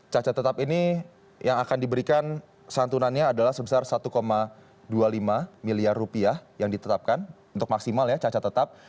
cacat tetap ini yang akan diberikan santunannya adalah sebesar satu dua puluh lima miliar rupiah yang ditetapkan untuk maksimal ya cacat tetap